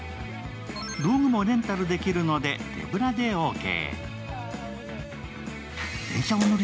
道具もレンタルできるので、手ぶらでオーケー。